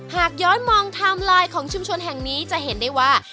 หากย้อนมองไทม์ไลน์ของชุมชนแห่งนี้จะเห็นได้ว่า